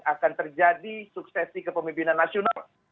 akan terjadi suksesi kepemimpinan nasional